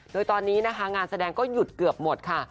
โดยตอนนี้นะคะงานแสดงก็หยุดเกือบหมดค่ะ